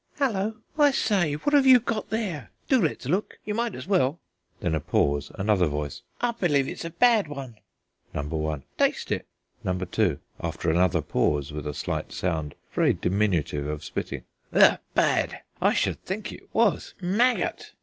"Hullo, I say, what have you got there? Do let's look; you might as well." Then a pause another voice: "I believe it's a bad one." Number one: "Taste it." Number two, after another pause, with a slight sound (very diminutive) of spitting: "Heugh! bad! I should rather think it was. Maggot!"